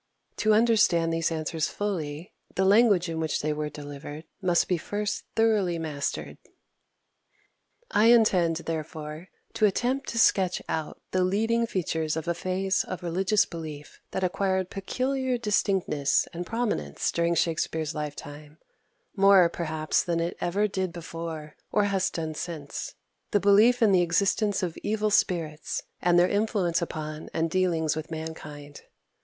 To understand these answers fully, the language in which they were delivered must be first thoroughly mastered. 11. I intend, therefore, to attempt to sketch out the leading features of a phase of religious belief that acquired peculiar distinctness and prominence during Shakspere's lifetime more, perhaps, than it ever did before, or has done since the belief in the existence of evil spirits, and their influence upon and dealings with mankind.